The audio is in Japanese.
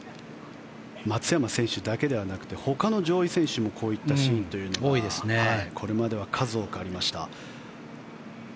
松山選手だけではなくほかの上位選手もこういったシーンというのがこれまでは数多くありました。